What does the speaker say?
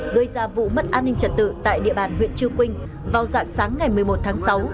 gây ra vụ mất an ninh trật tự tại địa bàn huyện chư quynh vào dạng sáng ngày một mươi một tháng sáu